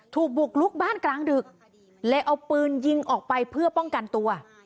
ถูกบุกลุกบ้านกลางดึกเลยเอาปืนยิงออกไปเพื่อป้องกันตัว